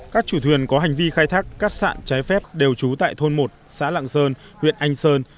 các chủ thuyền có hành vi khai thác cát sạn trái phép đều trú tại thôn một xã lạng sơn huyện anh sơn